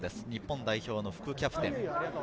日本代表の副キャプテン。